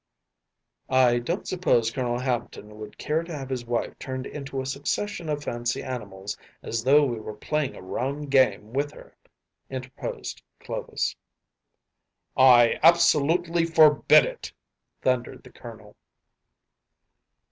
‚ÄĚ “I don’t suppose Colonel Hampton would care to have his wife turned into a succession of fancy animals as though we were playing a round game with her,‚ÄĚ interposed Clovis. “I absolutely forbid it,‚ÄĚ thundered the Colonel.